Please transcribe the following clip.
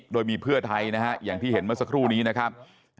โดยมีเพื่อไทยนะฮะอย่างที่เห็นเมื่อสักครู่นี้นะครับ